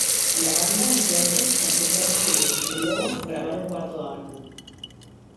La banda entonces empezó a escribir y luego grabar un cuarto álbum.